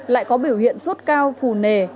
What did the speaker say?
lại có biểu hiện sốt cao phù nề